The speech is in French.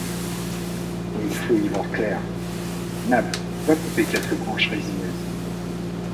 Mais il faut y voir clair. — Nab, va couper quelques branches résineuses